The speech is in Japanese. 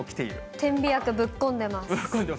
点鼻薬ぶっ込んでます。